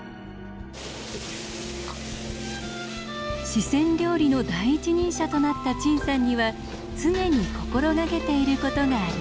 四川料理の第一人者となった陳さんには常に心掛けていることがありました。